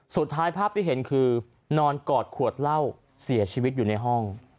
ภาพที่เห็นคือนอนกอดขวดเหล้าเสียชีวิตอยู่ในห้อง